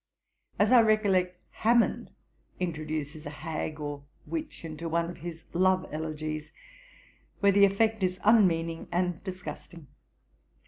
As I recollect, Hammond introduces a hag or witch into one of his love elegies, where the effect is unmeaning and disgusting.'